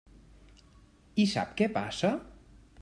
I sap què passa?